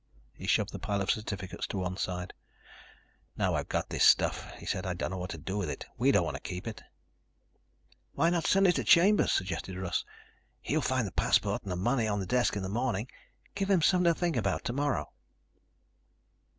He shoved the pile of certificates to one side. "Now I've got this stuff," he said, "I don't know what to do with it. We don't want to keep it." "Why not send it to Chambers?" suggested Russ. "He will find the passport and the money on his desk in the morning. Give him something to think about tomorrow."